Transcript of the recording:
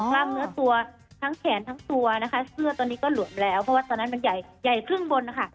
กล้ามเนื้อตัวทั้งแขนทั้งตัวนะคะเสื้อตอนนี้ก็หลวมแล้วเพราะว่าตอนนั้นมันใหญ่ใหญ่ครึ่งบนนะคะ